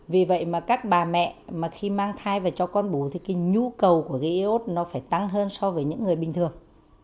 vì vậy mà các bà mẹ mà khi mang thai và cho con bú thì cái nhu cầu của cái iốt nó phải tăng hơn so với những người bình thường